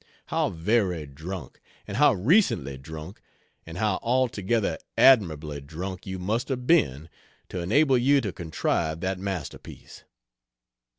How very drunk, and how recently drunk, and how altogether admirably drunk you must have been to enable you to contrive that masterpiece!